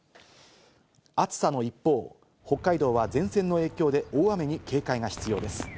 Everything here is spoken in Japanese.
暑さの一方、北海道は前線の影響で大雨に警戒が必要です。